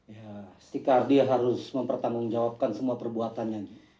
ya si kardi harus mempertanggungjawabkan semua perbuatannya